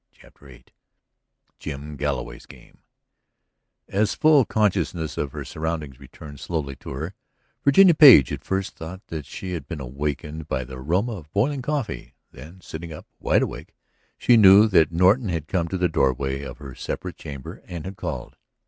CHAPTER VIII JIM GALLOWAY'S GAME As full consciousness of her surroundings returned slowly to her, Virginia Page at first thought that she had been awakened by the aroma of boiling coffee. Then, sitting up, wide awake, she knew that Norton had come to the doorway of her separate chamber and had called.